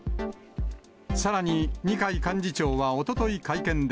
さらに、二階幹事長はおととい会見で、